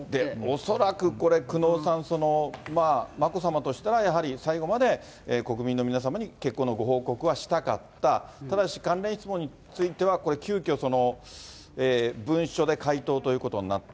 恐らく、これ、久能さん、眞子さまとしたらやはり、最後まで国民の皆様に結婚のご報告はしたかった、ただし関連質問については、これ、急きょ、文書で回答ということになった。